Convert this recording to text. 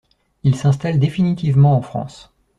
Il s'installe définitivement en France.